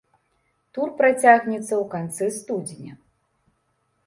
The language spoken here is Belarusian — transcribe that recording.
Тур працягнецца ў канцы студзеня.